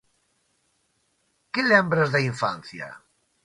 Que lembras da infancia?